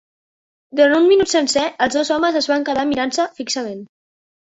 Durant un minut sencer, els dos homes es van quedar mirant-se fixament.